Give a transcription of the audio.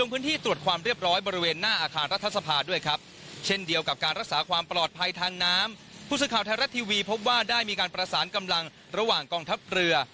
ผู้สื่อข่าวไทยรัฐทีวีพบว่าได้มีการประสานกำลังระหว่างกองทัพเรือ